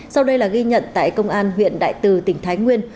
sau đây là ghi nhận tại công an huyện đại từ tỉnh thái nguyên